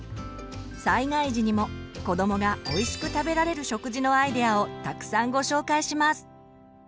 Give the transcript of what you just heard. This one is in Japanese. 災害時にも子どもがおいしく食べられる食事のアイデアをたくさんご紹介します。